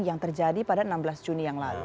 yang terjadi pada enam belas juni yang lalu